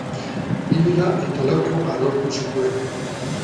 Bi liga eta lau kopa lortu zituen.